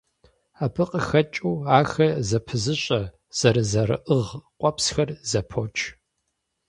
Абы къыхэкӀыу, ахэр зэпызыщӀэ, зэрызэрыӀыгъ къуэпсхэр зэпоч.